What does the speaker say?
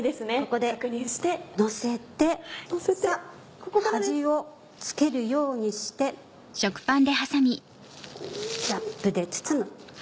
ここでのせて端をつけるようにしてラップで包む。